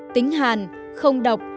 tính hàn không độc